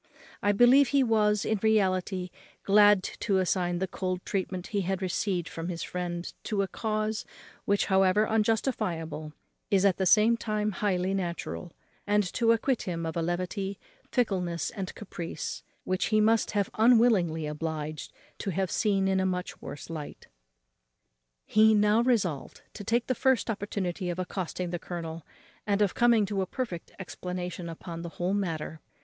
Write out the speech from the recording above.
I believe he was, in reality, glad to assign the cold treatment he had received from his friend to a cause which, however injustifiable, is at the same time highly natural; and to acquit him of a levity, fickleness, and caprice, which he must have been unwillingly obliged to have seen in a much worse light. He now resolved to take the first opportunity of accosting the colonel, and of coming to a perfect explanation upon the whole matter.